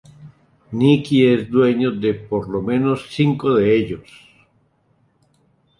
Nikki es dueño de por lo menos cinco de ellos.